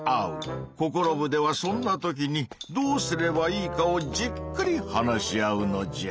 「ココロ部！」ではそんな時にどうすればいいかをじっくり話し合うのじゃ。